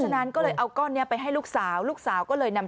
มันใหญ่เนอะ